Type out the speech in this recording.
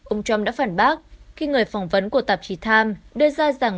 ông trump đã phản bác khi người phỏng vấn của tạp chí times đưa ra rằng